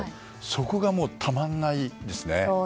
そこがたまんないですね！